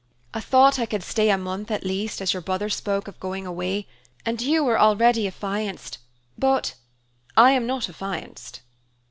I thought I could stay a month, at least, as your brother spoke of going away, and you were already affianced, but " "I am not affianced."